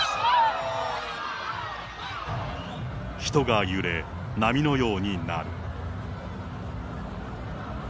人が揺れ、波のようになる。